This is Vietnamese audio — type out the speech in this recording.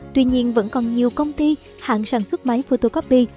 tuy nhiên vẫn còn nhiều công ty hãng sản xuất máy photocopy